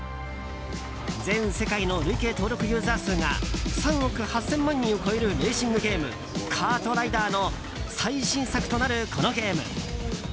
全世界の累計登録ユーザー数が３億８０００万人を超えるレーシングゲーム「カートライダー」の最新作となるこのゲーム。